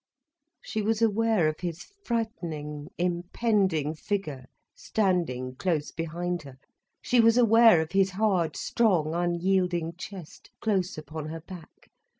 She was aware of his frightening, impending figure standing close behind her, she was aware of his hard, strong, unyielding chest, close upon her back.